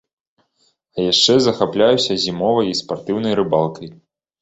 А яшчэ захапляюся зімовай і спартыўнай рыбалкай.